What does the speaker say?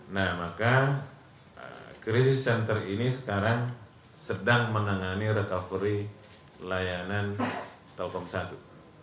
nah maka krisis center ini sekarang sedang menangani recovery layanan telkom satu